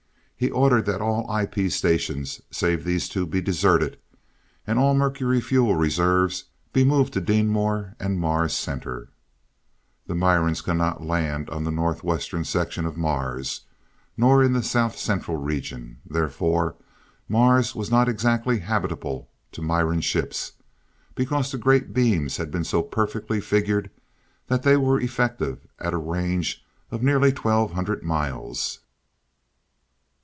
He ordered that all IP stations save these two be deserted, and all mercury fuel reserves be moved to Deenmor and Mars Center. The Mirans could not land on the North Western section of Mars, nor in the South Central region. Therefore Mars was not exactly habitable to Miran ships, because the great beams had been so perfectly figured that they were effective at a range of nearly twelve hundred miles.